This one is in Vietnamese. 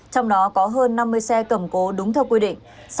trong đó có hơn năm mươi xe cầm cố đúng theo quy định